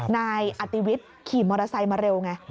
นายอติวิทย์ขี่มอเตอร์ไซค์มาเร็วไง